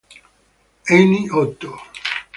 Heini Otto